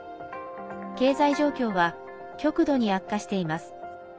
経済状況は極度に悪化しています。